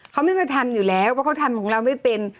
เขาไม่มาทำอยู่แล้วเพราะเขาทำของเราไม่เป็น